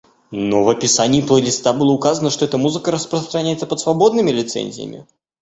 Но в описании плейлиста было указано, что эта музыка распространяется под свободными лицензиями!